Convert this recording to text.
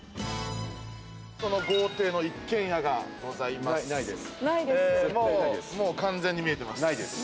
その豪邸の一軒家がございます。